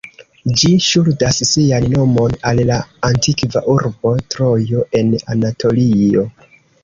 Ĝi ŝuldas sian nomon al la antikva urbo Trojo en Anatolio.